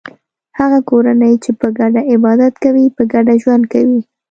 هغه کورنۍ چې په ګډه عبادت کوي په ګډه ژوند کوي.